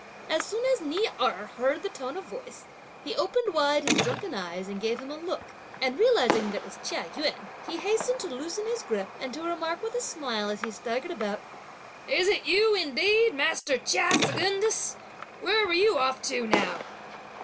As soon as Ni Erh heard the tone of his voice, he opened wide his drunken eyes and gave him a look; and realising that it was Chia Yün, he hastened to loosen his grasp and to remark with a smile, as he staggered about, "Is it you indeed, master Chia Secundus? where were you off to now?"